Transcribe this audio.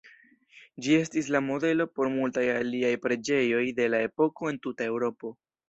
Ĝi estis la modelo por multaj aliaj preĝejoj de la epoko en tuta Eŭropo.